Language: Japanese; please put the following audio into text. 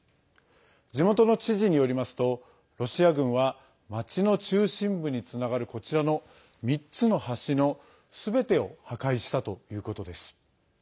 地元の知事によりますとロシア軍は町の中心部につながるこちらの３つの橋のすべてを破壊したということです。